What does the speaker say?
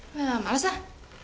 tss mah males ah